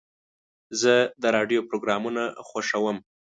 زه د راډیو پروګرامونه خوښوم.